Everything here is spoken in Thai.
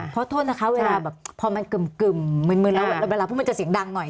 เพราะโทษนะคะเวลาแบบพอมันกึ่มมืนแล้วเวลาพูดมันจะเสียงดังหน่อย